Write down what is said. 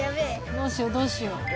「どうしよう？どうしよう？」